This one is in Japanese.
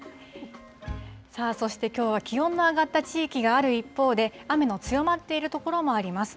そして、きょうは気温の上がった地域がある一方で、雨の強まっている所もあります。